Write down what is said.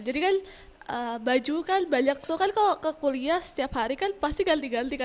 jadi kan baju kan banyak tuh kan kalau kuliah setiap hari kan pasti ganti ganti kan